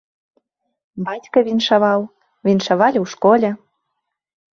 Бацька віншаваў, віншавалі ў школе.